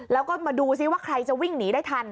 แล้วก็มาดูซิว่าใครจะวิ่งหนีได้ทัน